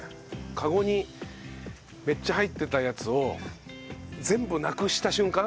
かごにめっちゃ入ってたやつを全部なくした瞬間。